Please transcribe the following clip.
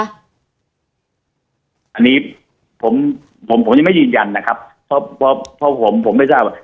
อันนี้ผมผมยังไม่ยืนยันนะครับเพราะผมผมไม่ทราบว่า